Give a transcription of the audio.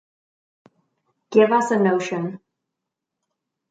Give us a notion.